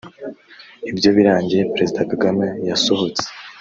Ibyo birangiye Perezida Kagame yasohotse